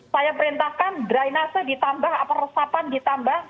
saya perintahkan dry nasa ditambah atau resapan ditambah